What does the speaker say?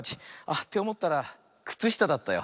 っておもったらくつしただったよ。